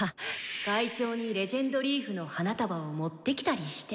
会長に「伝説のリーフ」の花束を持ってきたりして？